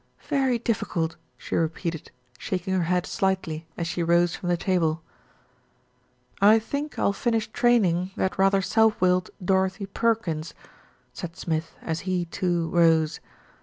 "Very difficult," she re peated, shaking her head slightly as she rose from the table. "I think I'll finish training that rather self willed Dorothy Perkins," said Smith as he, too, rose.